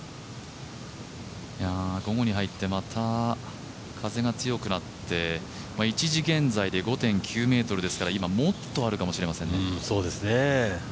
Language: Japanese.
午後に入ってまた風が強くなって１時現在で５．９ｍですから、今はもっとあるかもしれませんね。